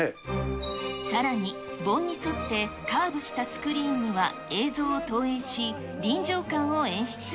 さらに、盆に沿ってカーブしたスクリーンには映像を投影し、臨場感を演出。